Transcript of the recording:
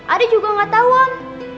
adik juga gak tahu om